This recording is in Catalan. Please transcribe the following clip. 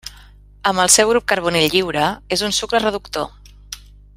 Amb el seu grup carbonil lliure, és un sucre reductor.